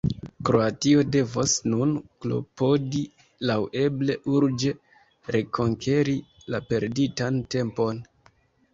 Kroatio devos nun klopodi laŭeble urĝe rekonkeri la perditan tempon.